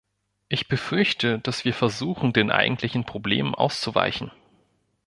Ich befürchte, dass wir versuchen, den eigentlichen Problemen auszuweichen.